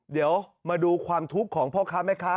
เดี๋ยวมาดูความทุกข์ของพ่อค้าแม่ค้า